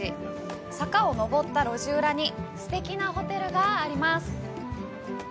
坂を上った路地裏にすてきなホテルがあります。